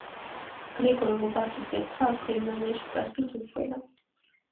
გრიგოლ რობაქიძე თავს გერმანიაში წასვლით უშველა.